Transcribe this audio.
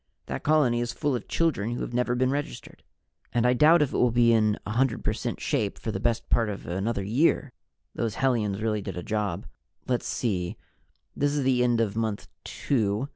That colony is full of children who have never been registered. And I doubt if it will be in 100 per cent shape for the best part of another year. Those hellions really did a job. Let's see this is the end of Month Two.